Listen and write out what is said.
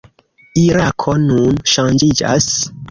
Irako nun ŝanĝiĝas.